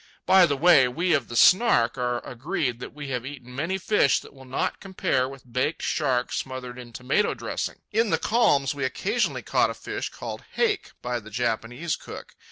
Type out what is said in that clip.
By the way, we of the Snark are agreed that we have eaten many fish that will not compare with baked shark smothered in tomato dressing. In the calms we occasionally caught a fish called "haké" by the Japanese cook.